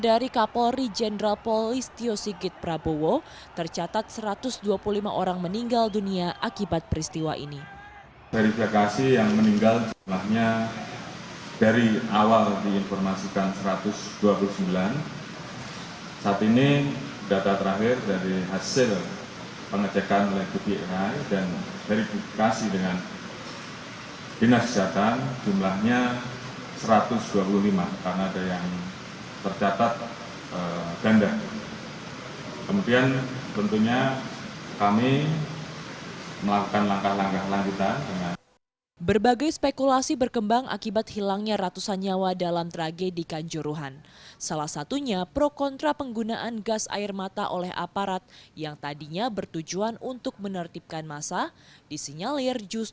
dari kapolri jenderal polis tio sigit prabowo tercatat satu ratus dua puluh lima orang meninggal dunia akibat peristiwa ini